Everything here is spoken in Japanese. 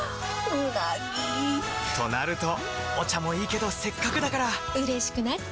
うなぎ！となるとお茶もいいけどせっかくだからうれしくなっちゃいますか！